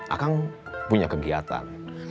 akang punya kegiatan